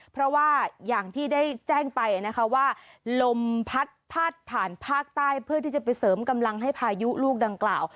เพราะว่าอย่างที่ได้แจ้งไปนะคะว่าลมพัดพาดผ่านภาคใต้เพื่อที่จะไปเสริมกำลังให้พายุลูกดังกล่าว